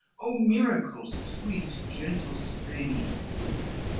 Oh miracle, sweet, gentle, strange and true!